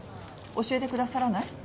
教えてくださらない？